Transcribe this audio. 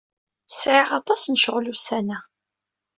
Sɛiɣ aṭas n ccɣel ussan-a.